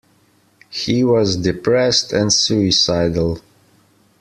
He was depressed and suicidal.